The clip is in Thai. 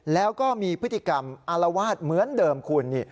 แล้วก็มีพฤติกรรมอารวาสเหมือนเดิมคุณ